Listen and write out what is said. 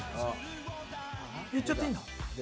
言っちゃっていいんだ？